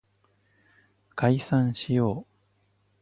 解散しよう